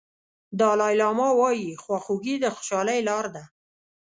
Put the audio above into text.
دالای لاما وایي خواخوږي د خوشالۍ لار ده.